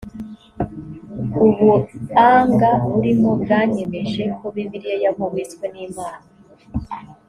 ubuanga burimo bwanyemeje ko bibiliya yahumetswe n’imana